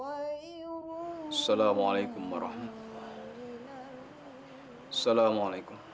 assalamualaikum warahmatullahi wabarakatuh